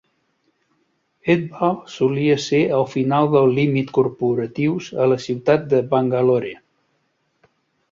Hebbal solia ser el final del límit corporatius a la ciutat de Bangalore.